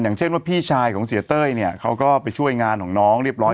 อย่างเช่นว่าพี่ชายของเสียเต้ยเนี่ยเขาก็ไปช่วยงานของน้องเรียบร้อย